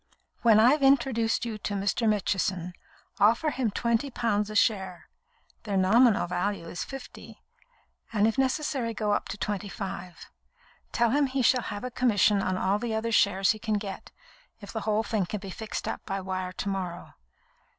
"When I've introduced you to Mr. Mitchison, offer him twenty pounds a share (their nominal value is fifty), and if necessary go up to twenty five. Tell him he shall have a commission on all the other shares he can get, if the whole thing can be fixed up by wire to morrow.